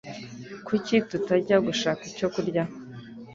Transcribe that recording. Kuki tutajya gushaka icyo kurya?